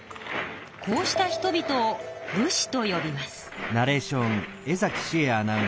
こうした人々を武士とよびます。